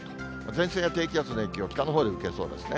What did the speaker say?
前線が低気圧の影響、北のほうで受けそうですね。